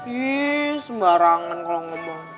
ih sembarangan kalau ngomong